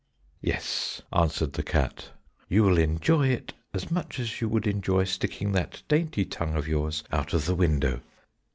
"Yes," answered the cat, "you will enjoy it as much as you would enjoy sticking that dainty tongue of yours out of the window."